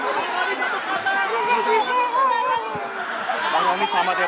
dan juga melihat status gc atau justice collaboration